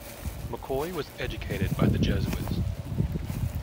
McCoy was educated by the Jesuits.